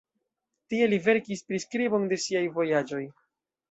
Tie li verkis priskribon de siaj vojaĝoj.